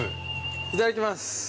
いただきます。